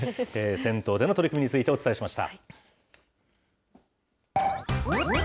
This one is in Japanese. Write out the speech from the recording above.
銭湯での取り組みについてお伝えしました。